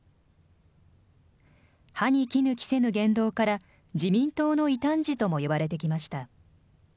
歯にきぬ着せぬ言動から、自民党の異端児ともいわれてきました。